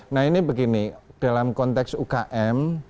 nah ini begini dalam konteks ukm